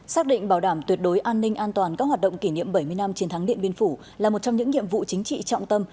xác định bảo đảm tuyệt đối an ninh an toàn các hoạt động kỷ niệm bảy mươi năm chiến thắng điện biên phủ là một trong những nhiệm vụ chính trị trọng tâm